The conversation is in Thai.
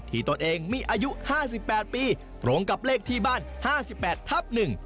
ที่ต้นเองมีอายุห้าสิบแปดปีตรงกับเลขที่บ้านห้าสิบแปดทับหนึ่ง